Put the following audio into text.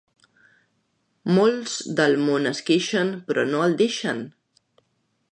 Molts del món es queixen, però no el deixen.